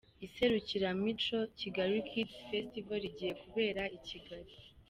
Iserukiramuco Kigali Kids Festival rigiye kubera i Kigali.